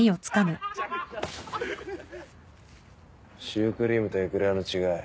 シュークリームとエクレアの違い